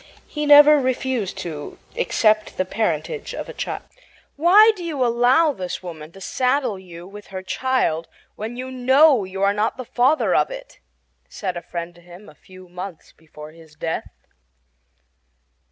He never refused to accept the parentage of a child. "Why do you allow this woman to saddle you with her child when you KNOW you are not the father of it?" said a friend to him a few months before his death.